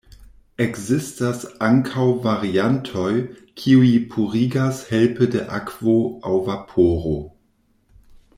Ekzistas ankaŭ variantoj, kiuj purigas helpe de akvo aŭ vaporo.